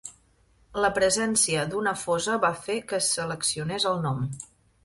La presència d'una fosa va fer que es seleccionés el nom.